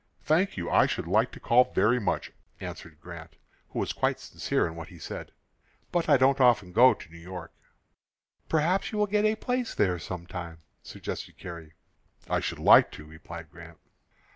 "Thank you; I should like to call very much," answered Grant, who was quite sincere in what he said. "But I don't often go to New York." "Perhaps you will get a place there some time," suggested Carrie. "I should like to," replied Grant.